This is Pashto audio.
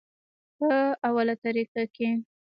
پۀ اوله طريقه کښې